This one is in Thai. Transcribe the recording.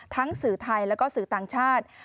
ทั้งสื่อไทยและสื่อต่างชาติ